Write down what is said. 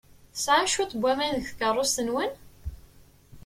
Tesɛam cwiṭ n waman deg tkeṛṛust-nwen?